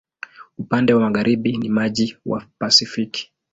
Upande wa magharibi ni maji wa Pasifiki.